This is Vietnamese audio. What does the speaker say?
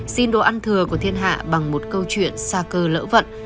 xin đồ ăn thừa của thiên hạ bằng một câu chuyện xa cơ lỡ vận